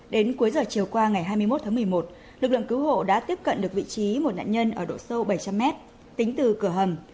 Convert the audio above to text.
đến cuối giờ chiều qua ngày hai mươi một tháng một mươi một lực lượng cứu hộ đã tiếp cận được vị trí một nạn nhân ở độ sâu bảy trăm linh m tính từ cửa hầm